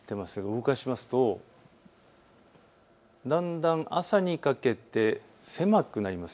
動かしますとだんだん朝にかけて狭くなります。